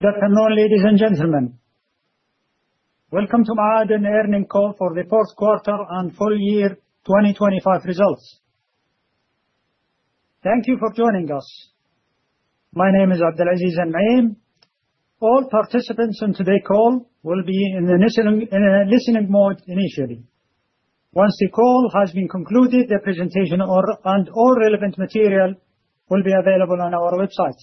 Good afternoon, ladies and gentlemen. Welcome to Ma'aden Earnings Call for the fourth quarter and full year 2025 results. Thank you for joining us. My name is Abdulaziz Al-Harbi. All participants on today's call will be in listen-only mode initially. Once the call has been concluded, the presentation and all relevant material will be available on our website.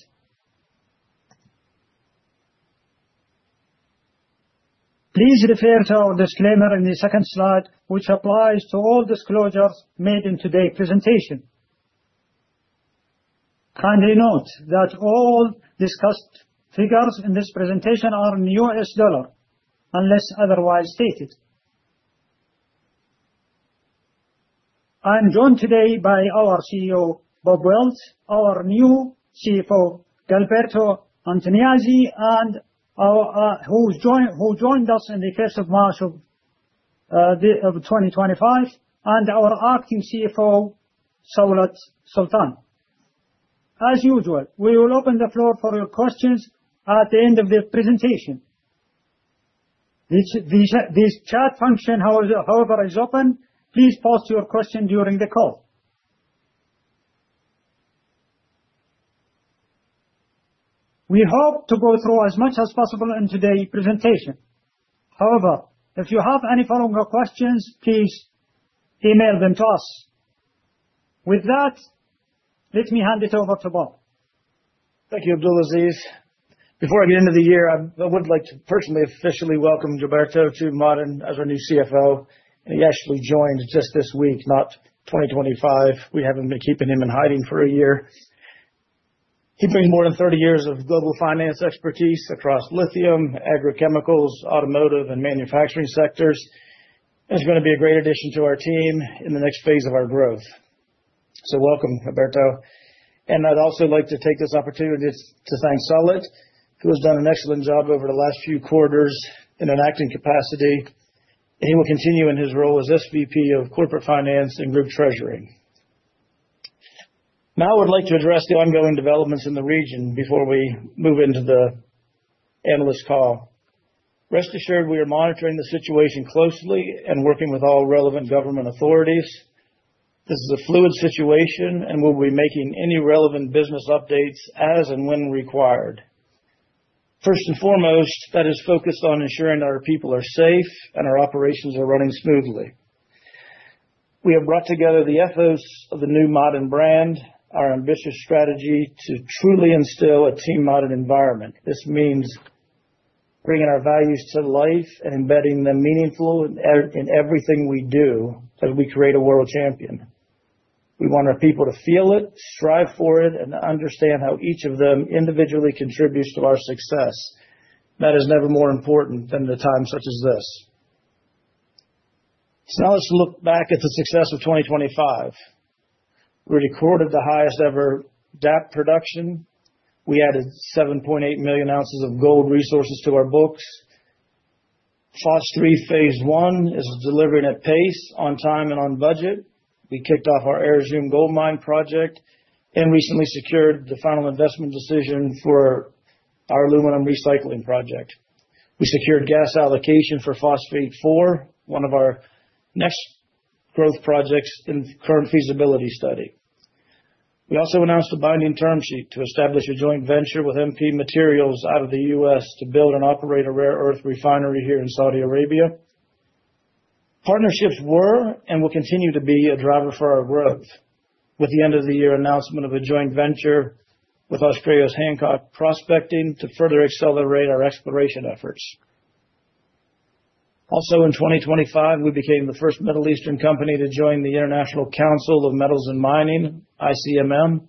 Please refer to our disclaimer in the second slide, which applies to all disclosures made in today's presentation. Kindly note that all discussed figures in this presentation are in US dollar unless otherwise stated. I'm joined today by our CEO, Bob Wilt, our new CFO, Gilberto Antoniazzi, who joined us in the first of March of 2025, and our acting CFO, Saulat Sultan. As usual, we will open the floor for your questions at the end of the presentation. This chat function, however, is open. Please post your question during the call. We hope to go through as much as possible in today's presentation. However, if you have any further questions, please email them to us. With that, let me hand it over to Bob. Thank you, Abdulaziz. Before the end of the year, I would like to personally, officially welcome Gilberto to Ma'aden as our new CFO. He actually joined just this week, not 2025. We haven't been keeping him in hiding for a year. He brings more than 30 years of global finance expertise across lithium, agrochemicals, automotive, and manufacturing sectors, and is gonna be a great addition to our team in the next phase of our growth. Welcome, Gilberto. I'd also like to take this opportunity to thank Saulat Sultan, who has done an excellent job over the last few quarters in an acting capacity. He will continue in his role as SVP of Corporate Finance and Group Treasury. Now I would like to address the ongoing developments in the region before we move into the analyst call. Rest assured we are monitoring the situation closely and working with all relevant government authorities. This is a fluid situation, and we'll be making any relevant business updates as and when required. First and foremost, that is focused on ensuring our people are safe and our operations are running smoothly. We have brought together the ethos of the new Ma'aden brand, our ambitious strategy to truly instill a team Ma'aden environment. This means bringing our values to life and embedding them meaningfully in everything we do, that we create a world champion. We want our people to feel it, strive for it, and understand how each of them individually contributes to our success. That is never more important than the time such as this. Now let's look back at the success of 2025. We recorded the highest ever DAP production. We added 7.8 million ounces of gold resources to our books. Phosphate 3, Phase One is delivering at pace on time and on budget. We kicked off our Ar Rjum Gold Mine project and recently secured the final investment decision for our aluminum recycling project. We secured gas allocation for Phosphate 4, one of our next growth projects in current feasibility study. We also announced a binding term sheet to establish a joint venture with MP Materials out of the US to build and operate a rare earth refinery here in Saudi Arabia. Partnerships were and will continue to be a driver for our growth. With the end of the year announcement of a joint venture with Australia's Hancock Prospecting to further accelerate our exploration efforts. Also in 2025, we became the first Middle Eastern company to join the International Council on Mining and Metals, ICMM,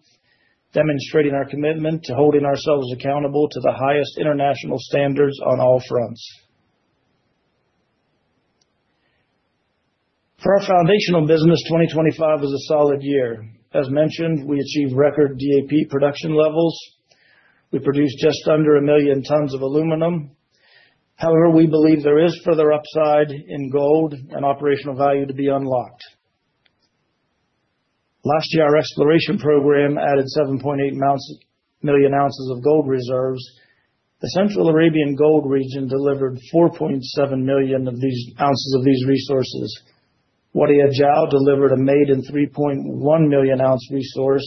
demonstrating our commitment to holding ourselves accountable to the highest international standards on all fronts. For our foundational business, 2025 was a solid year. As mentioned, we achieved record DAP production levels. We produced just under 1 million tons of aluminum. However, we believe there is further upside in gold and operational value to be unlocked. Last year, our exploration program added 7.8 million ounces of gold reserves. The Central Arabian Gold Region delivered 4.7 million ounces of these resources. Wadi Al Jaww delivered a maiden 3.1 million ounce resource.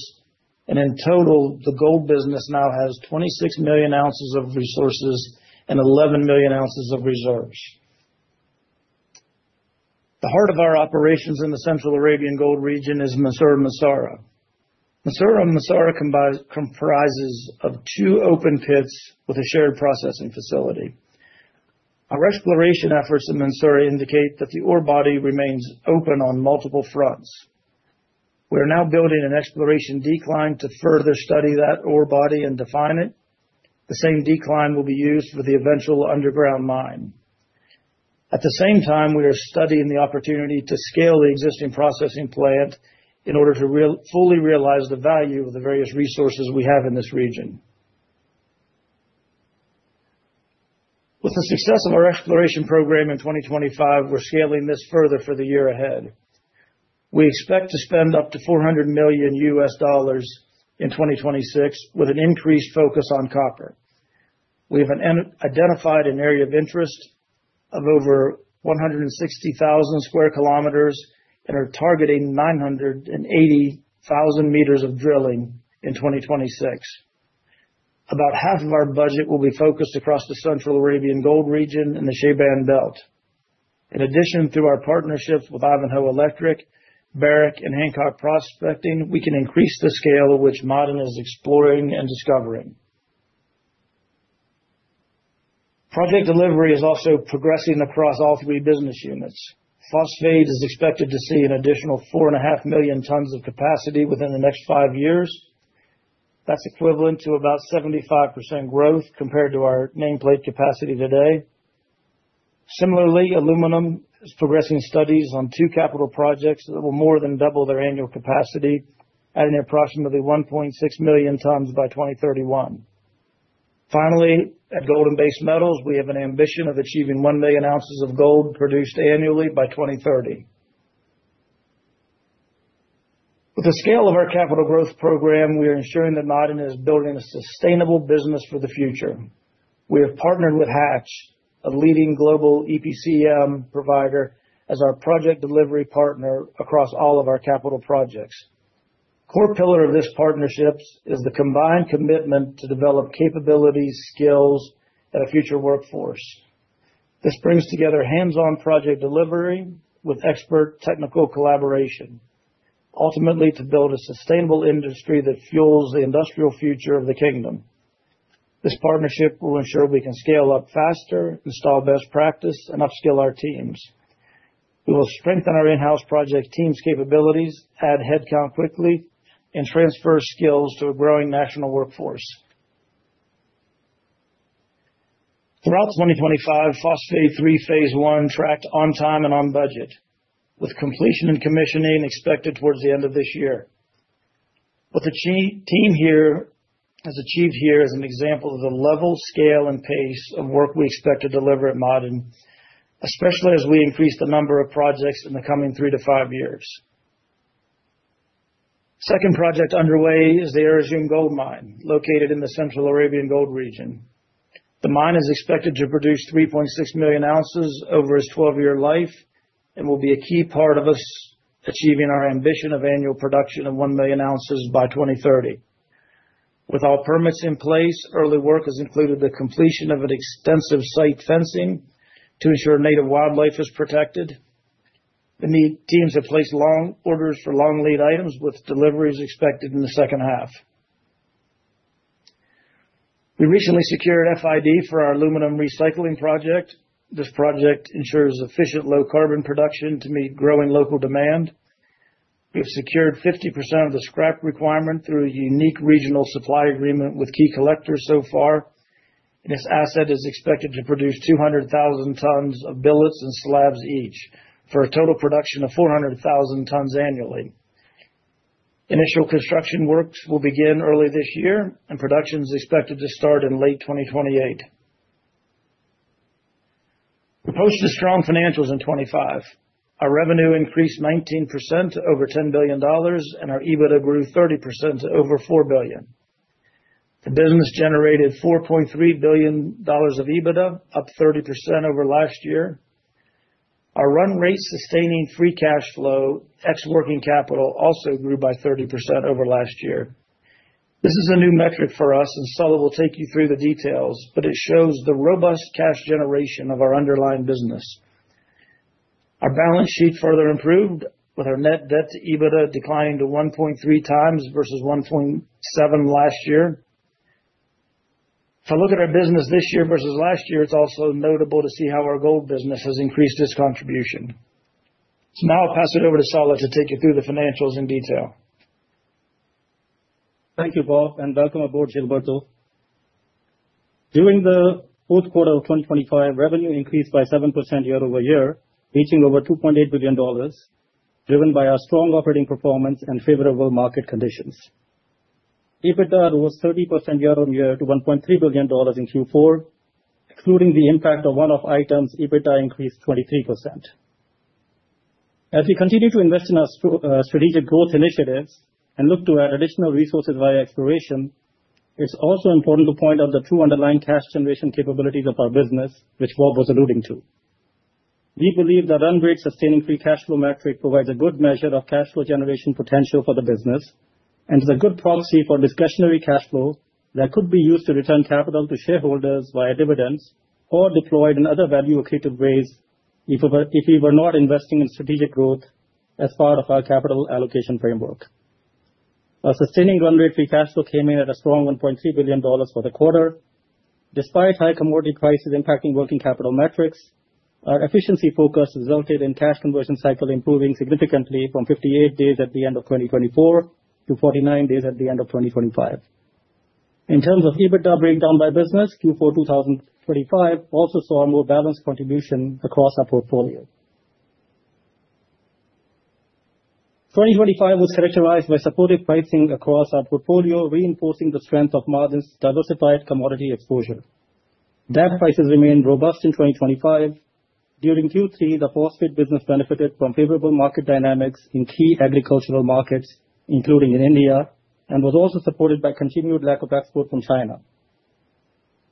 In total, the gold business now has 26 million ounces of resources and 11 million ounces of reserves. The heart of our operations in the Central Arabian Gold Region is Mansourah Massarah. Mansourah Massarah comprises of two open pits with a shared processing facility. Our exploration efforts in Mansourah indicate that the ore body remains open on multiple fronts. We are now building an exploration decline to further study that ore body and define it. The same decline will be used for the eventual underground mine. At the same time, we are studying the opportunity to scale the existing processing plant in order to fully realize the value of the various resources we have in this region. With the success of our exploration program in 2025, we're scaling this further for the year ahead. We expect to spend up to $400 million in 2026, with an increased focus on copper. We have identified an area of interest of over 160,000 square kilometers and are targeting 980,000 meters of drilling in 2026. About half of our budget will be focused across the Central Arabian Gold Region and the Shayban Belt. In addition, through our partnerships with Ivanhoe Electric, Barrick, and Hancock Prospecting, we can increase the scale at which Ma'aden is exploring and discovering. Project delivery is also progressing across all three business units. Phosphate is expected to see an additional 4.5 million tons of capacity within the next five years. That's equivalent to about 75% growth compared to our nameplate capacity today. Similarly, aluminum is progressing studies on two capital projects that will more than double their annual capacity to approximately 1.6 million tons by 2031. Finally, at gold and base metals, we have an ambition of achieving 1 million ounces of gold produced annually by 2030. With the scale of our capital growth program, we are ensuring that Ma'aden is building a sustainable business for the future. We have partnered with Hatch, a leading global EPCM provider, as our project delivery partner across all of our capital projects. Core pillar of this partnerships is the combined commitment to develop capabilities, skills, and a future workforce. This brings together hands-on project delivery with expert technical collaboration, ultimately to build a sustainable industry that fuels the industrial future of the kingdom. This partnership will ensure we can scale up faster, install best practice, and upskill our teams. We will strengthen our in-house project teams capabilities, add headcount quickly, and transfer skills to a growing national workforce. Throughout 2025, Phosphate 3 Phase 1 tracked on time and on budget, with completion and commissioning expected towards the end of this year. What the team here has achieved here is an example of the level, scale, and pace of work we expect to deliver at Ma'aden, especially as we increase the number of projects in the coming 3 to 5 years. Second project underway is the Ar Rjum Gold Mine, located in the Central Arabian Gold Region. The mine is expected to produce 3.6 million ounces over its 12-year life and will be a key part of us achieving our ambition of annual production of 1 million ounces by 2030. With all permits in place, early work has included the completion of an extensive site fencing to ensure native wildlife is protected. The teams have placed long orders for long lead items, with deliveries expected in the second half. We recently secured FID for our aluminum recycling project. This project ensures efficient low carbon production to meet growing local demand. We have secured 50% of the scrap requirement through a unique regional supply agreement with key collectors so far. This asset is expected to produce 200,000 tons of billets and slabs each, for a total production of 400,000 tons annually. Initial construction works will begin early this year, and production is expected to start in late 2028. We posted strong financials in 2025. Our revenue increased 19% to over $10 billion, and our EBITDA grew 30% to over $4 billion. The business generated $4.3 billion of EBITDA, up 30% over last year. Our run rate sustaining free cash flow, ex working capital, also grew by 30% over last year. This is a new metric for us, and Saulat will take you through the details, but it shows the robust cash generation of our underlying business. Our balance sheet further improved with our net debt to EBITDA declining to 1.3 times versus 1.7 last year. If I look at our business this year versus last year, it's also notable to see how our gold business has increased its contribution. Now I'll pass it over to Saulat to take you through the financials in detail. Thank you, Bob, and welcome aboard Gilberto. During the fourth quarter of 2025, revenue increased by 7% year-over-year, reaching over $2.8 billion, driven by our strong operating performance and favorable market conditions. EBITDA rose 30% year-on-year to $1.3 billion in Q4. Excluding the impact of one-off items, EBITDA increased 23%. As we continue to invest in our strategic growth initiatives and look to add additional resources via exploration, it's also important to point out the true underlying cash generation capabilities of our business, which Bob was alluding to. We believe that run rate sustaining free cash flow metric provides a good measure of cash flow generation potential for the business and is a good proxy for discretionary cash flow that could be used to return capital to shareholders via dividends or deployed in other value accretive ways if we were not investing in strategic growth as part of our capital allocation framework. Our sustaining run rate free cash flow came in at a strong $1.3 billion for the quarter. Despite high commodity prices impacting working capital metrics, our efficiency focus resulted in cash conversion cycle improving significantly from 58 days at the end of 2024 to 49 days at the end of 2025. In terms of EBITDA breakdown by business, Q4 2025 also saw a more balanced contribution across our portfolio. 2025 was characterized by supportive pricing across our portfolio, reinforcing the strength of Ma'aden's diversified commodity exposure. DAP prices remained robust in 2025. During Q3, the phosphate business benefited from favorable market dynamics in key agricultural markets, including in India, and was also supported by continued lack of export from China.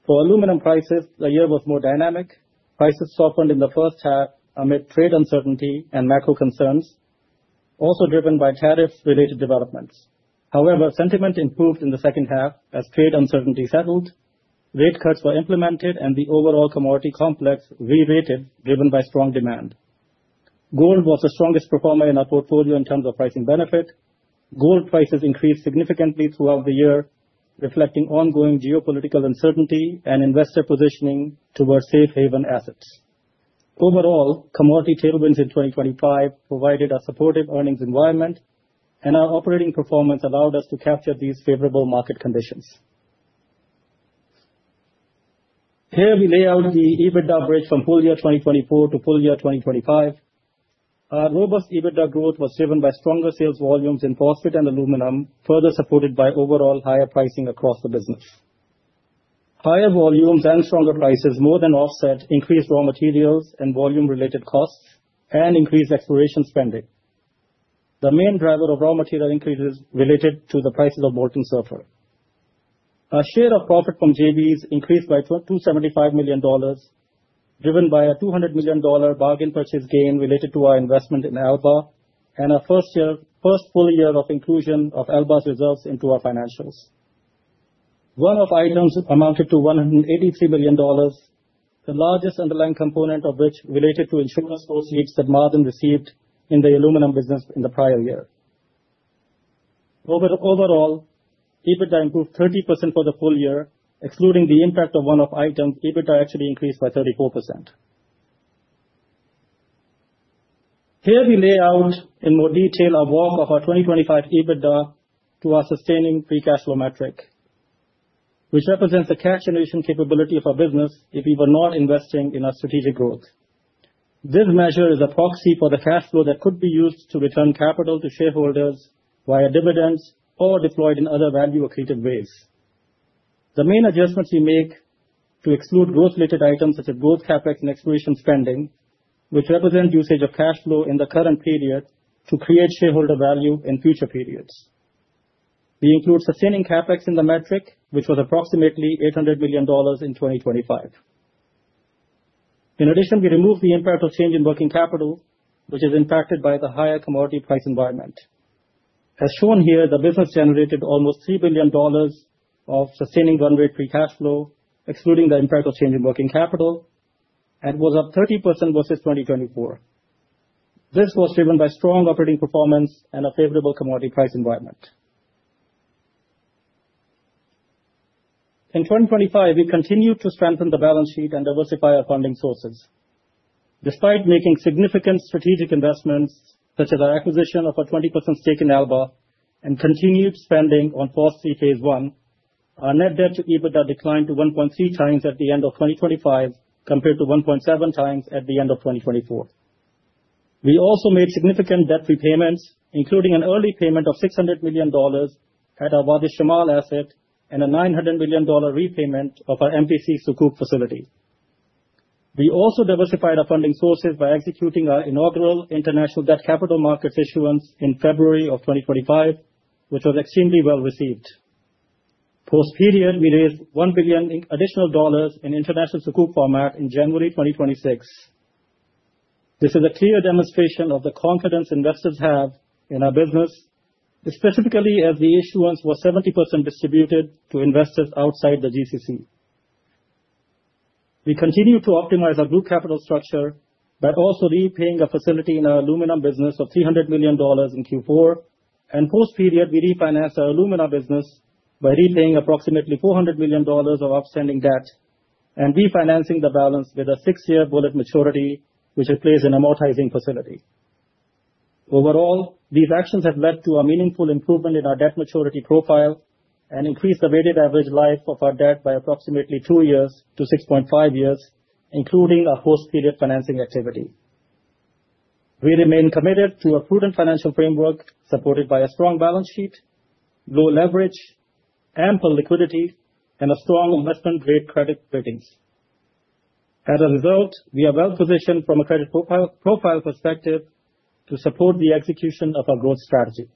For aluminum prices, the year was more dynamic. Prices softened in the first half amid trade uncertainty and macro concerns, also driven by tariff-related developments. However, sentiment improved in the second half as trade uncertainty settled, rate cuts were implemented, and the overall commodity complex re-rated, driven by strong demand. Gold was the strongest performer in our portfolio in terms of pricing benefit. Gold prices increased significantly throughout the year, reflecting ongoing geopolitical uncertainty and investor positioning towards safe haven assets. Overall, commodity tailwinds in 2025 provided a supportive earnings environment, and our operating performance allowed us to capture these favorable market conditions. Here we lay out the EBITDA bridge from full year 2024 to full year 2025. Our robust EBITDA growth was driven by stronger sales volumes in phosphate and aluminum, further supported by overall higher pricing across the business. Higher volumes and stronger prices more than offset increased raw materials and volume-related costs and increased exploration spending. The main driver of raw material increases related to the prices of molten sulfur. Our share of profit from JVs increased by $275 million, driven by a $200 million bargain purchase gain related to our investment in Alba and our first full year of inclusion of Alba's results into our financials. One-off items amounted to $183 million, the largest underlying component of which related to insurance proceeds that Ma'aden received in the aluminum business in the prior year. Overall, EBITDA improved 30% for the full year. Excluding the impact of one-off items, EBITDA actually increased by 34%. Here we lay out in more detail a walk of our 2025 EBITDA to our sustaining free cash flow metric, which represents the cash generation capability of our business if we were not investing in our strategic growth. This measure is a proxy for the cash flow that could be used to return capital to shareholders via dividends or deployed in other value-accretive ways. The main adjustments we make to exclude growth-related items such as growth CapEx and exploration spending, which represent usage of cash flow in the current period to create shareholder value in future periods. We include sustaining CapEx in the metric, which was approximately $800 million in 2025. In addition, we removed the impact of change in working capital, which is impacted by the higher commodity price environment. As shown here, the business generated almost $3 billion of sustaining run rate free cash flow, excluding the impact of change in working capital, and was up 30% versus 2024. This was driven by strong operating performance and a favorable commodity price environment. In 2025, we continued to strengthen the balance sheet and diversify our funding sources. Despite making significant strategic investments such as our acquisition of a 20% stake in Alba and continued spending on Phosphate 3 Phase One, our net debt to EBITDA declined to 1.3 times at the end of 2025 compared to 1.7 times at the end of 2024. We also made significant debt repayments, including an early payment of $600 million at our Waad Al Shamal asset and a $900 million repayment of our MPC Sukuk facility. We also diversified our funding sources by executing our inaugural international debt capital markets issuance in February 2025, which was extremely well-received. Post-period, we raised $1 billion in additional dollars in international Sukuk format in January 2026. This is a clear demonstration of the confidence investors have in our business, specifically as the issuance was 70% distributed to investors outside the GCC. We continue to optimize our group capital structure by also repaying a facility in our aluminum business of $300 million in Q4, and post-period we refinanced our alumina business by repaying approximately $400 million of outstanding debt and refinancing the balance with a 6-year bullet maturity, which replaces an amortizing facility. Overall, these actions have led to a meaningful improvement in our debt maturity profile and increased the weighted average life of our debt by approximately 2 years to 6.5 years, including our post-period financing activity. We remain committed to a prudent financial framework supported by a strong balance sheet, low leverage, ample liquidity, and a strong investment-grade credit ratings. As a result, we are well-positioned from a credit profile perspective to support the execution of our growth strategy.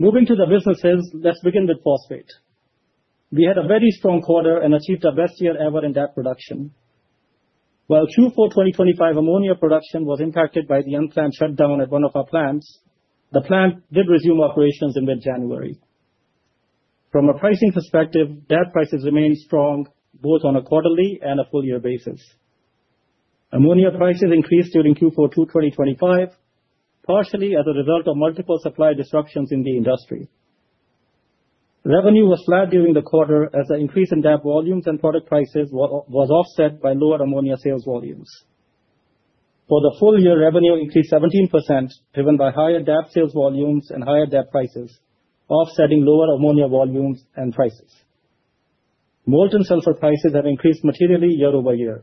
Moving to the businesses, let's begin with phosphate. We had a very strong quarter and achieved our best year ever in DAP production. While Q4 2025 ammonia production was impacted by the unplanned shutdown at one of our plants, the plant did resume operations in mid-January. From a pricing perspective, DAP prices remained strong both on a quarterly and a full year basis. Ammonia prices increased during Q4 2025, partially as a result of multiple supply disruptions in the industry. Revenue was flat during the quarter as the increase in DAP volumes and product prices was offset by lower ammonia sales volumes. For the full year, revenue increased 17%, driven by higher DAP sales volumes and higher DAP prices, offsetting lower ammonia volumes and prices. Molten sulfur prices have increased materially year-over-year.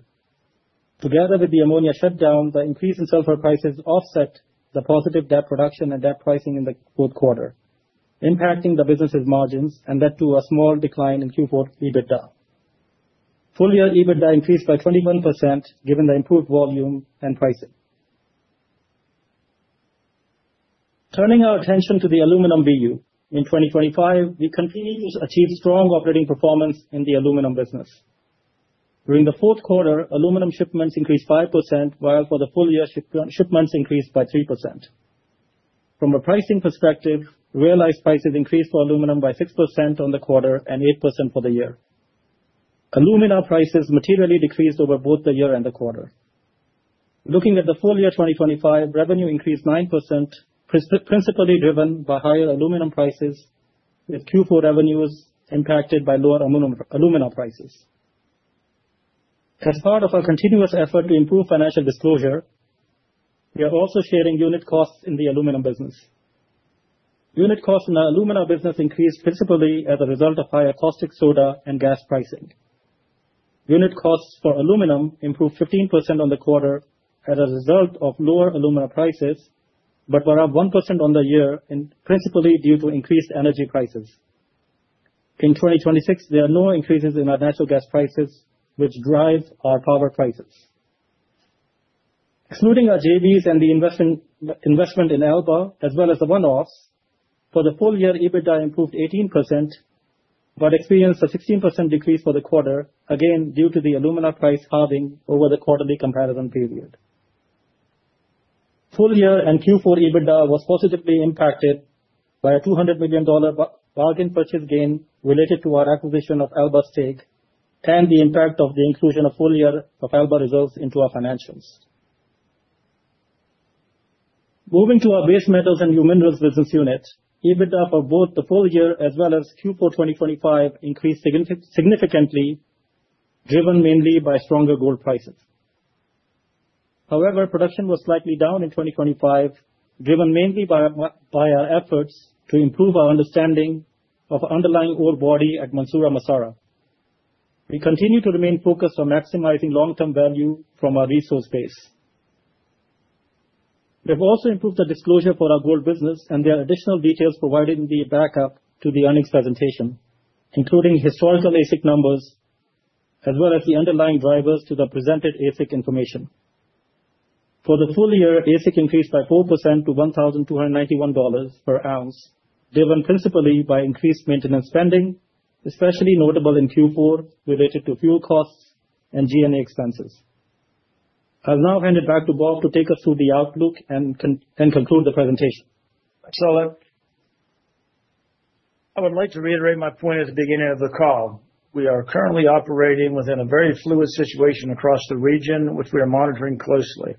Together with the ammonia shutdown, the increase in sulfur prices offset the positive debt reduction and debt pricing in the fourth quarter, impacting the business's margins and led to a small decline in Q4 EBITDA. Full-year EBITDA increased by 21% given the improved volume and pricing. Turning our attention to the aluminum BU. In 2025, we continued to achieve strong operating performance in the aluminum business. During the fourth quarter, aluminum shipments increased 5%, while for the full year shipments increased by 3%. From a pricing perspective, realized prices increased for aluminum by 6% on the quarter and 8% for the year. Alumina prices materially decreased over both the year and the quarter. Looking at the full year 2025, revenue increased 9%, principally driven by higher aluminum prices, with Q4 revenues impacted by lower alumina prices. As part of our continuous effort to improve financial disclosure, we are also sharing unit costs in the aluminum business. Unit costs in our alumina business increased principally as a result of higher caustic soda and gas pricing. Unit costs for aluminum improved 15% on the quarter as a result of lower alumina prices, but were up 1% on the year and principally due to increased energy prices. In 2026, there are no increases in our natural gas prices, which drive our power prices. Excluding our JVs and the investment in Alba, as well as the one-offs, for the full year, EBITDA improved 18% but experienced a 16% decrease for the quarter, again due to the alumina price halving over the quarterly comparable period. Full year and Q4 EBITDA was positively impacted by a $200 million bargain purchase gain related to our acquisition of Alba stake and the impact of the inclusion of full year of Alba results into our financials. Moving to our base metals and new minerals business unit, EBITDA for both the full year as well as Q4 2025 increased significantly, driven mainly by stronger gold prices. However, production was slightly down in 2025, driven mainly by our efforts to improve our understanding of underlying ore body at Mansourah Massarah. We continue to remain focused on maximizing long-term value from our resource base. We have also improved the disclosure for our gold business, and there are additional details provided in the backup to the earnings presentation, including historical AISC numbers as well as the underlying drivers to the presented AISC information. For the full year, AISC increased by 4% to $1,291 per ounce, driven principally by increased maintenance spending, especially notable in Q4, related to fuel costs and G&A expenses. I'll now hand it back to Bob to take us through the outlook and conclude the presentation. Thanks, Saulat. I would like to reiterate my point at the beginning of the call. We are currently operating within a very fluid situation across the region, which we are monitoring closely.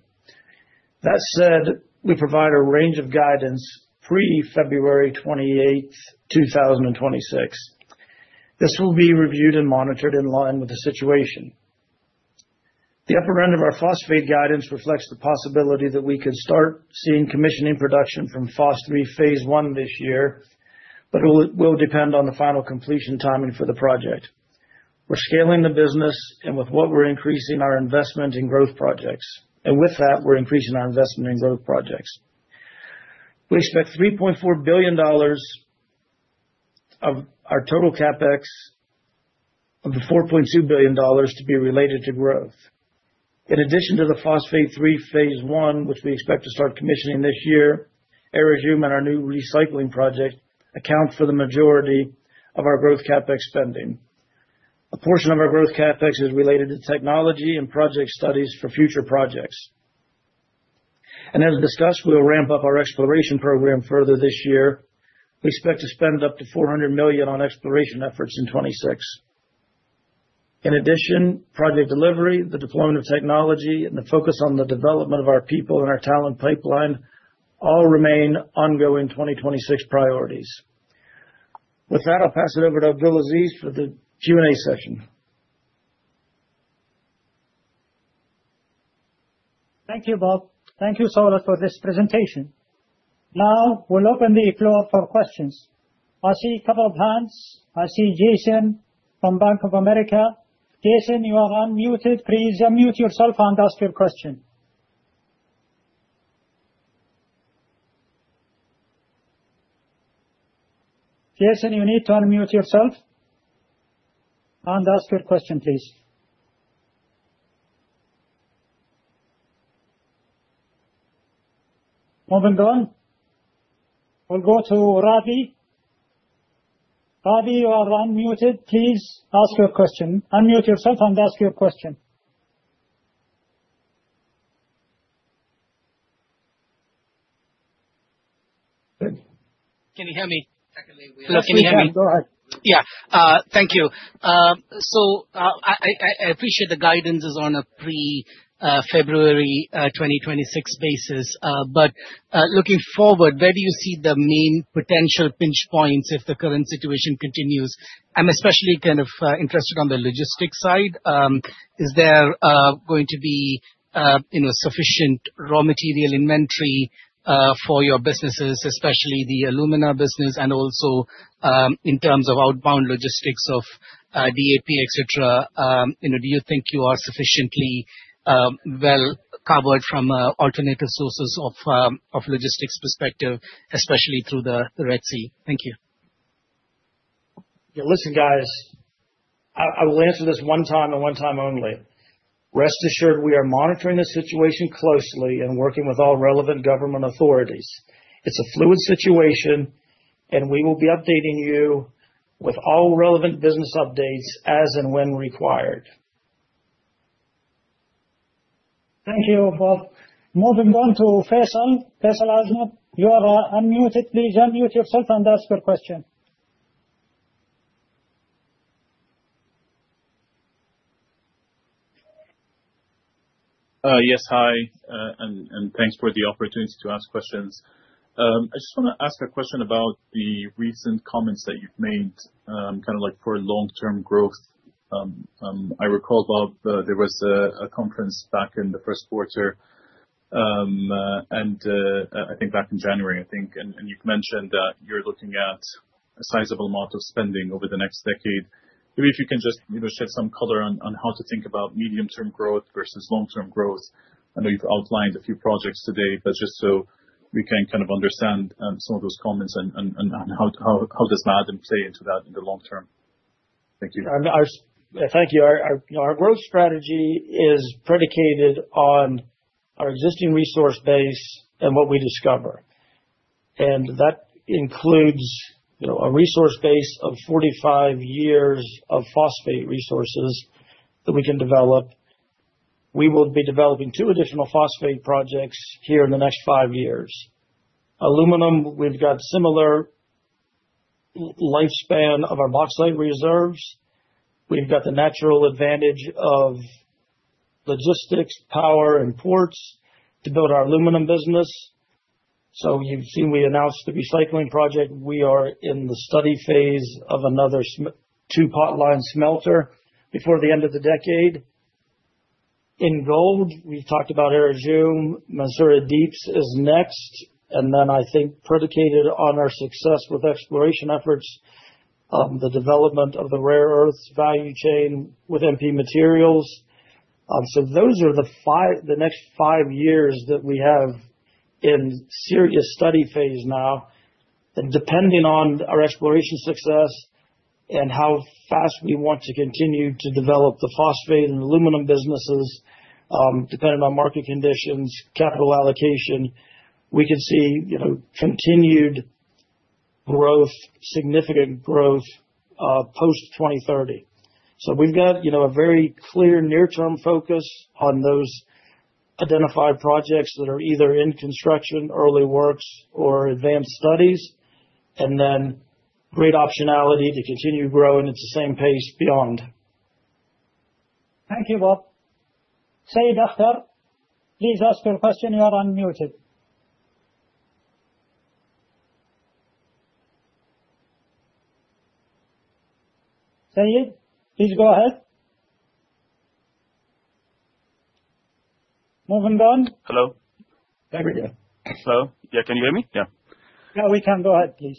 That said, we provide a range of guidance through February 28, 2026. This will be reviewed and monitored in line with the situation. The upper end of our phosphate guidance reflects the possibility that we could start seeing commissioning production from Phosphate 3 Phase One this year, but it will depend on the final completion timing for the project. We're scaling the business, and with that, we're increasing our investment in growth projects. We expect $3.4 billion of our total CapEx, of the $4.2 billion to be related to growth. In addition to the Phosphate 3 Phase 1, which we expect to start commissioning this year, Ar Rjum and our new recycling project account for the majority of our growth CapEx spending. A portion of our growth CapEx is related to technology and project studies for future projects. As discussed, we'll ramp up our exploration program further this year. We expect to spend up to $400 million on exploration efforts in 2026. In addition, project delivery, the deployment of technology, and the focus on the development of our people and our talent pipeline all remain ongoing 2026 priorities. With that, I'll pass it over to Abdulaziz for the Q&A session. Thank you, Bob. Thank you, Saulat Sultan, for this presentation. Now, we'll open the floor for questions. I see a couple of hands. I see Jason from Bank of America. Jason, you are unmuted. Please unmute yourself and ask your question. Jason, you need to unmute yourself and ask your question, please. Moving on. We'll go to Ravi. Ravi, you are unmuted. Please ask your question. Unmute yourself and ask your question. Can you hear me? Yes, we can. Go ahead. Yeah. Thank you. So, I appreciate the guidance is on a pre-February 2026 basis. Looking forward, where do you see the main potential pinch points if the current situation continues? I'm especially kind of interested on the logistics side. Is there going to be, you know, sufficient raw material inventory for your businesses, especially the alumina business and also in terms of outbound logistics of DAP, et cetera, you know, do you think you are sufficiently well covered from alternative sources of logistics perspective, especially through the Red Sea? Thank you. Yeah, listen guys, I will answer this one time and one time only. Rest assured we are monitoring the situation closely and working with all relevant government authorities. It's a fluid situation, and we will be updating you with all relevant business updates as and when required. Thank you, Bob. Moving on to Faisal. Faisal Al-Azmeh, you are unmuted. Please unmute yourself and ask your question. Yes, hi. Thanks for the opportunity to ask questions. I just wanna ask a question about the recent comments that you've made, kinda like for long-term growth. I recall, Bob, there was a conference back in the first quarter, and I think back in January, I think, and you've mentioned that you're looking at a sizable amount of spending over the next decade. Maybe if you can just, you know, shed some color on how to think about medium-term growth versus long-term growth. I know you've outlined a few projects today, but just so we can kind of understand some of those comments and how does Ma'aden play into that in the long term? Thank you. Our growth strategy is predicated on our existing resource base and what we discover. That includes, you know, a resource base of 45 years of phosphate resources that we can develop. We will be developing 2 additional phosphate projects here in the next 5 years. Aluminum, we've got similar lifespan of our bauxite reserves. We've got the natural advantage of logistics, power, and ports to build our aluminum business. You've seen we announced the recycling project. We are in the study phase of another two-potline smelter before the end of the decade. In gold, we talked about Ar Rjum, Mansourah Deep is next, and then I think predicated on our success with exploration efforts, the development of the rare earths value chain with MP Materials. Those are the next five years that we have in serious study phase now. Depending on our exploration success and how fast we want to continue to develop the phosphate and aluminum businesses, depending on market conditions, capital allocation, we could see, you know, continued growth, significant growth, post-2030. We've got, you know, a very clear near-term focus on those identified projects that are either in construction, early works or advanced studies, and then great optionality to continue growing at the same pace beyond. Thank you, Bob. Syed Akhtar, please ask your question. You are unmuted. Syed, please go ahead. Moving on. Hello? There we go. Hello? Yeah, can you hear me? Yeah. Yeah, we can. Go ahead, please.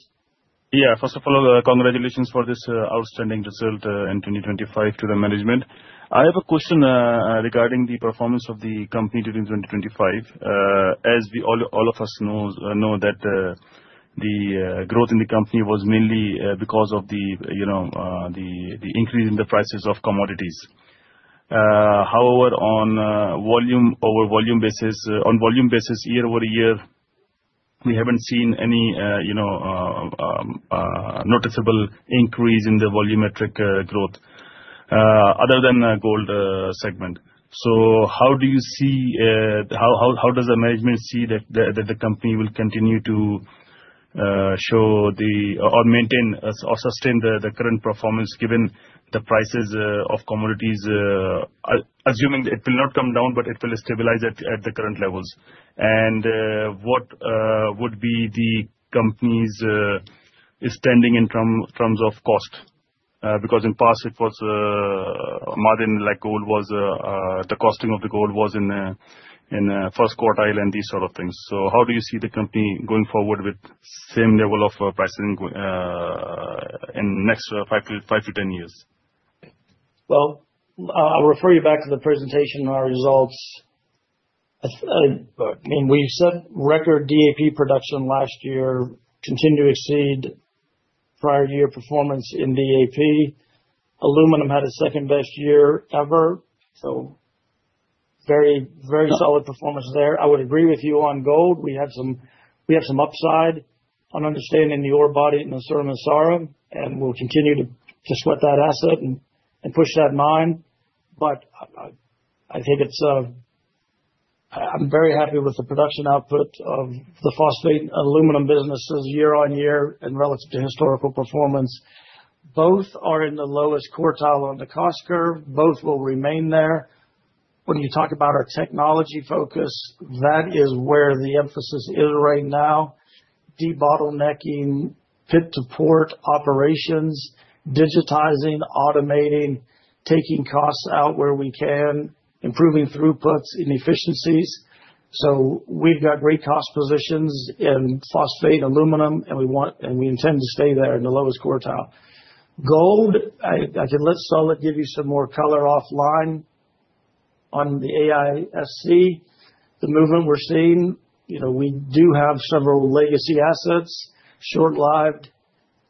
Yeah. First of all, congratulations for this outstanding result in 2025 to the management. I have a question regarding the performance of the company during 2025. As we all know that the growth in the company was mainly because of the, you know, the increase in the prices of commodities. However, on a volume basis, year over year, we haven't seen any, you know, noticeable increase in the volumetric growth, other than gold segment. How does the management see that the company will continue to maintain or sustain the current performance given the prices of commodities assuming it will not come down, but it will stabilize at the current levels. What would be the company's standing in terms of cost? Because in past it was Ma'aden like gold was the costing of the gold was in first quartile and these sort of things. How do you see the company going forward with same level of pricing in next 5-10 years? Well, I'll refer you back to the presentation and our results. I mean, we set record DAP production last year, continue to exceed prior year performance in DAP. Aluminum had a second-best year ever, so very, very solid performance there. I would agree with you on gold. We have some upside on understanding the ore body in Mansourah and we'll continue to sweat that asset and push that mine. I think it's... I'm very happy with the production output of the phosphate aluminum businesses year-on-year and relative to historical performance. Both are in the lowest quartile on the cost curve. Both will remain there. When you talk about our technology focus, that is where the emphasis is right now. Debottlenecking pit-to-port operations, digitizing, automating, taking costs out where we can, improving throughputs and efficiencies. We've got great cost positions in phosphate, aluminum, and we want, and we intend to stay there in the lowest quartile. Gold, I can let Saulat give you some more color offline. On the AISC, the movement we're seeing, you know, we do have several legacy assets, short-lived,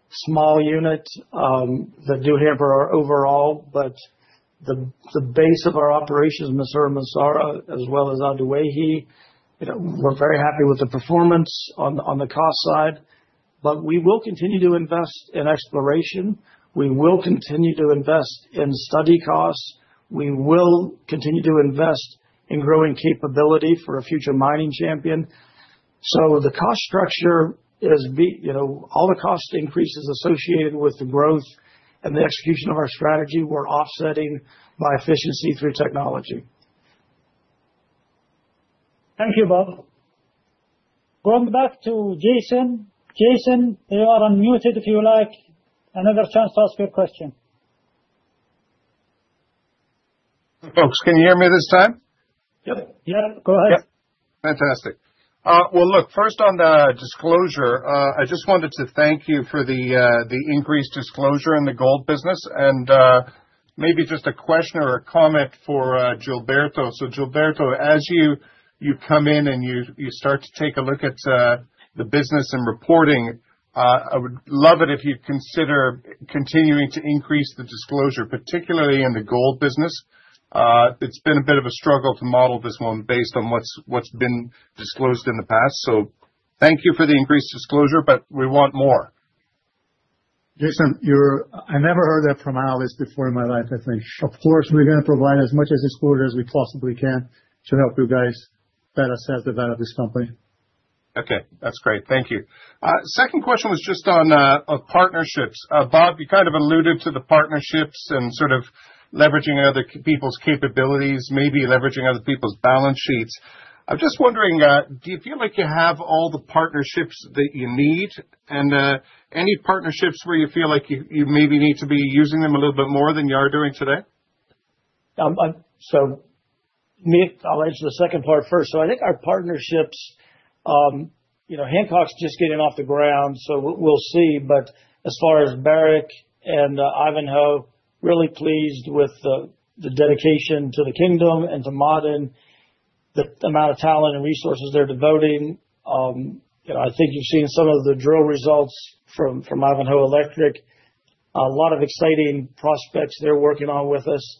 small units, that do hamper our overall. The base of our operations, Mansourah and Massarah, as well as Ad Duwayhi, you know, we're very happy with the performance on the cost side. We will continue to invest in exploration. We will continue to invest in study costs. We will continue to invest in growing capability for a future mining champion. The cost structure is, you know, all the cost increases associated with the growth and the execution of our strategy we're offsetting by efficiency through technology. Thank you, Bob. Going back to Jason. Jason, you are unmuted if you would like another chance to ask your question. Folks, can you hear me this time? Yep. Yeah, go ahead. Yep. Fantastic. Well, look, first on the disclosure, I just wanted to thank you for the increased disclosure in the gold business, and maybe just a question or a comment for Gilberto. Gilberto, as you come in and you start to take a look at the business and reporting, I would love it if you'd consider continuing to increase the disclosure, particularly in the gold business. It's been a bit of a struggle to model this one based on what's been disclosed in the past. Thank you for the increased disclosure, but we want more. Jason, I never heard that from an analyst before in my life, I think. Of course, we're gonna provide as much disclosure as we possibly can to help you guys better assess the value of this company. Okay. That's great. Thank you. Second question was just on partnerships. Bob, you kind of alluded to the partnerships and sort of leveraging other people's capabilities, maybe leveraging other people's balance sheets. I'm just wondering, do you feel like you have all the partnerships that you need? Any partnerships where you feel like you maybe need to be using them a little bit more than you are doing today? I'll answer the second part first. I think our partnerships, you know, Hancock's just getting off the ground, so we'll see. As far as Barrick and Ivanhoe, really pleased with the dedication to the kingdom and to Ma'aden, the amount of talent and resources they're devoting. You know, I think you've seen some of the drill results from Ivanhoe Electric. A lot of exciting prospects they're working on with us.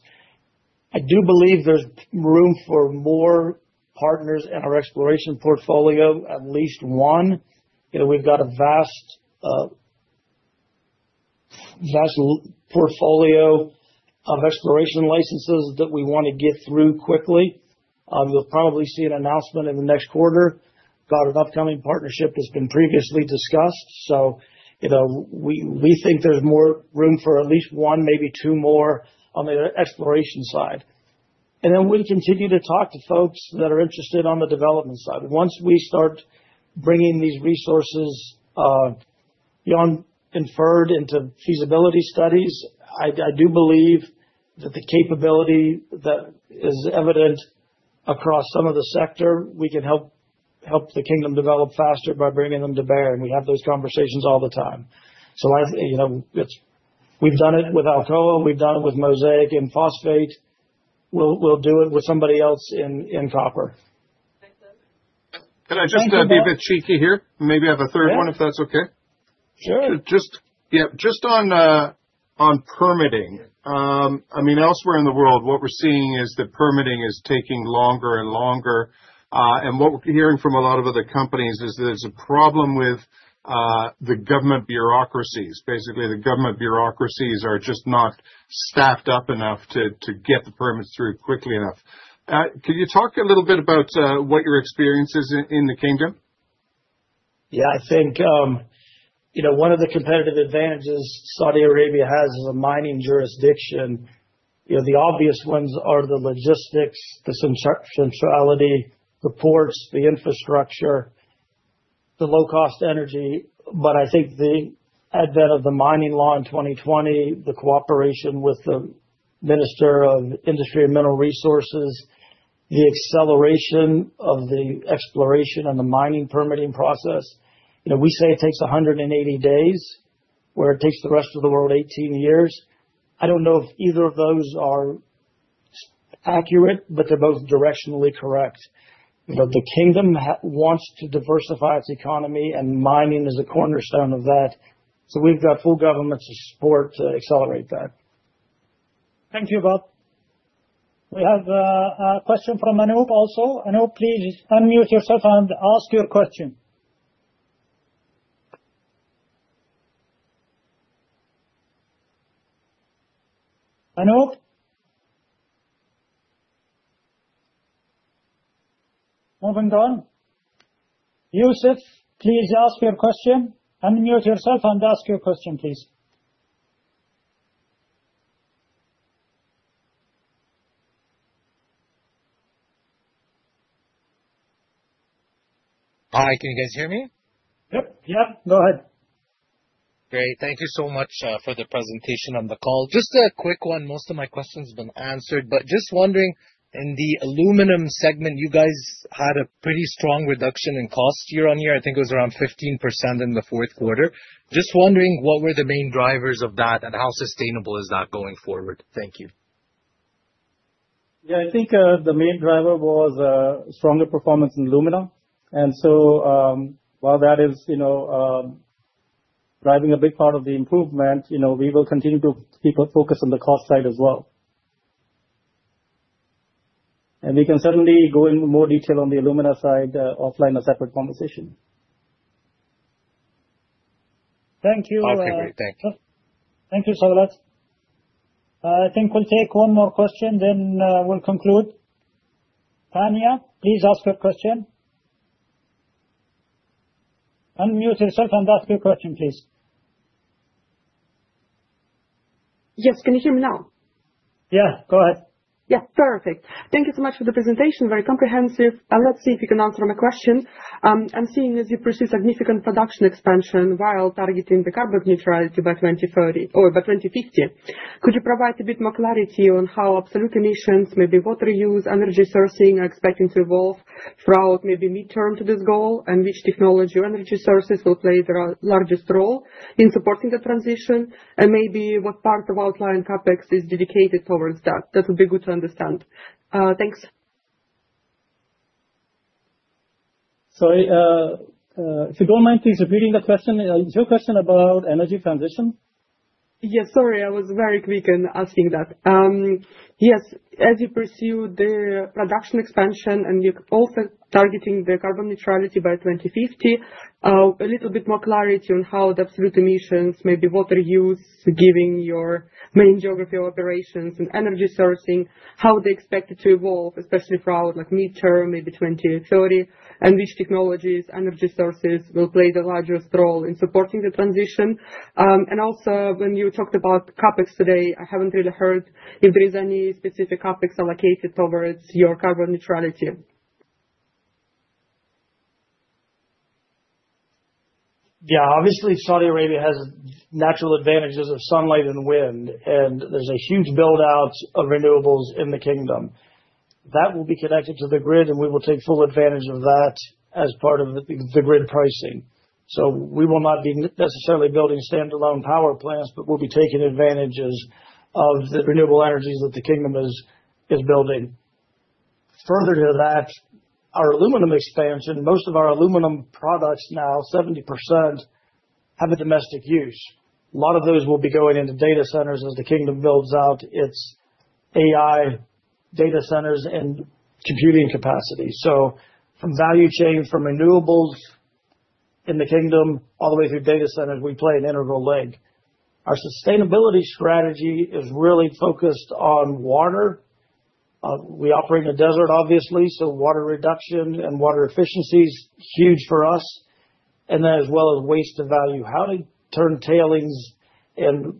I do believe there's room for more partners in our exploration portfolio, at least one. You know, we've got a vast portfolio of exploration licenses that we wanna get through quickly. You'll probably see an announcement in the next quarter about an upcoming partnership that's been previously discussed. You know, we think there's more room for at least one, maybe two more on the exploration side. We continue to talk to folks that are interested on the development side. Once we start bringing these resources beyond Inferred into feasibility studies, I do believe that the capability that is evident across some of the sector, we can help the kingdom develop faster by bringing them to bear, and we have those conversations all the time. You know, it's. We've done it with Alcoa, we've done it with Mosaic in phosphate. We'll do it with somebody else in copper. Thanks, Bob. Can I just be a bit cheeky here? Maybe have a third one. Yeah. If that's okay? Sure. Yeah, just on permitting. I mean, elsewhere in the world, what we're seeing is that permitting is taking longer and longer. What we're hearing from a lot of other companies is there's a problem with the government bureaucracies. Basically, the government bureaucracies are just not staffed up enough to get the permits through quickly enough. Can you talk a little bit about what your experience is in the Kingdom? Yeah. I think, you know, one of the competitive advantages Saudi Arabia has as a mining jurisdiction, you know, the obvious ones are the logistics, the centrality, the ports, the infrastructure, the low cost energy. I think the advent of the mining law in 2020, the cooperation with the Ministry of Industry and Mineral Resources, the acceleration of the exploration and the mining permitting process. You know, we say it takes 180 days, where it takes the rest of the world 18 years. I don't know if either of those are accurate, but they're both directionally correct. You know, the kingdom wants to diversify its economy, and mining is a cornerstone of that. We've got full government support to accelerate that. Thank you, Bob. We have a question from Anup also. Anup, please unmute yourself and ask your question. Anup? Moving on. Yusef, please ask your question. Unmute yourself and ask your question, please. Hi. Can you guys hear me? Yep. Yeah. Go ahead. Great. Thank you so much for the presentation on the call. Just a quick one. Most of my question's been answered. Just wondering, in the aluminum segment, you guys had a pretty strong reduction in cost year-over-year. I think it was around 15% in the fourth quarter. Just wondering, what were the main drivers of that, and how sustainable is that going forward? Thank you. Yeah, I think the main driver was stronger performance in alumina. While that is, you know, driving a big part of the improvement, you know, we will continue to keep a focus on the cost side as well. We can certainly go into more detail on the alumina side, offline, a separate conversation. Thank you. Okay, great. Thanks. Thank you, Saulat. I think we'll take one more question then, we'll conclude. Tanya, please ask your question. Unmute yourself and ask your question, please. Yes. Can you hear me now? Yeah, go ahead. Yeah. Perfect. Thank you so much for the presentation. Very comprehensive. Let's see if you can answer my questions. I'm seeing as you pursue significant production expansion while targeting the carbon neutrality by 2030 or by 2050, could you provide a bit more clarity on how absolute emissions, maybe water use, energy sourcing are expecting to evolve throughout maybe midterm to this goal? And which technology or energy sources will play the largest role in supporting the transition? And maybe what part of outlying CapEx is dedicated towards that? That would be good to understand. Thanks. Sorry, if you don't mind, please repeat the question. Is your question about energy transition? Yes. Sorry, I was very quick in asking that. Yes. As you pursue the production expansion and you're also targeting the carbon neutrality by 2050, a little bit more clarity on how the absolute emissions, maybe water use, given your main geography operations and energy sourcing, how they expect it to evolve, especially throughout like midterm, maybe 2030. Which technologies, energy sources will play the largest role in supporting the transition. Also when you talked about CapEx today, I haven't really heard if there is any specific CapEx allocated towards your carbon neutrality. Obviously, Saudi Arabia has natural advantages of sunlight and wind, and there's a huge build out of renewables in the kingdom. That will be connected to the grid, and we will take full advantage of that as part of the grid pricing. We will not be necessarily building standalone power plants, but we'll be taking advantages of the renewable energies that the kingdom is building. Further to that, our aluminum expansion, most of our aluminum products now, 70% have a domestic use. A lot of those will be going into data centers as the kingdom builds out its AI data centers and computing capacity. From value chain, from renewables in the kingdom all the way through data centers, we play an integral link. Our sustainability strategy is really focused on water. We operate in a desert, obviously, so water reduction and water efficiency is huge for us. As well as waste to value. How to turn tailings and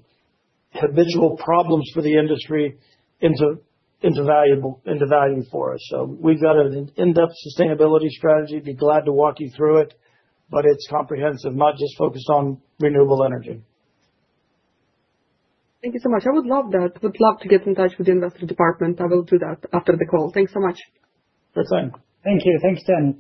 habitual problems for the industry into value for us. We've got an in-depth sustainability strategy. Be glad to walk you through it, but it's comprehensive, not just focused on renewable energy. Thank you so much. I would love that. Would love to get in touch with the investor department. I will do that after the call. Thanks so much. Thanks. Thank you. Thanks, Tanya.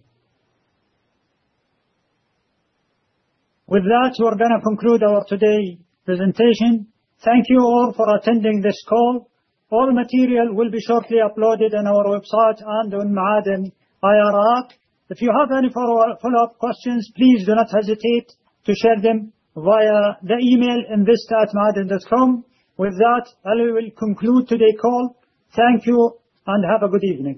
With that, we're gonna conclude our today presentation. Thank you all for attending this call. All material will be shortly uploaded on our website and on Ma'aden IR app. If you have any follow-up questions, please do not hesitate to share them via the email invest@maaden.com.sa. With that, we will conclude today call. Thank you and have a good evening.